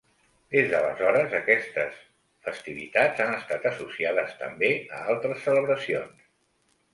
Des d'aleshores aquestes festivitats han estat associades també a altres celebracions.